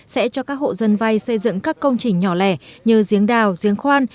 sẽ cho các hộ dân vay xây dựng các công trình nhỏ lẻ như giếng đào giếng khoan